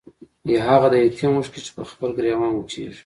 يا هاغه د يتيم اوښکې چې پۀ خپل ګريوان وچيږي